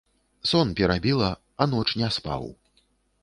Сон перабіла, а ноч не спаў.